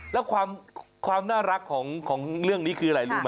แล้วความน่ารักของเรื่องนี้คืออะไรรู้ไหม